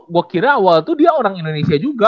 gue kira awal tuh dia orang indonesia juga